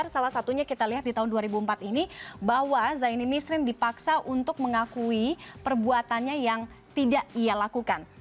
salah satunya kita lihat di tahun dua ribu empat ini bahwa zaini misrin dipaksa untuk mengakui perbuatannya yang tidak ia lakukan